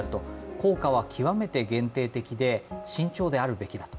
効果は極めて限定的で慎重であるべきだと。